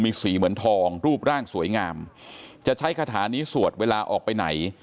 มีสีเหมือนทองรูปร่างสวยงามจะใช้คาถานี้สวดเวลาออกไปไหน